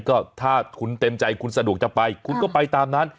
ก็ถ้าคุณเต็มใจคุณสะดวกจะไปคุณก็ไปตามนั้น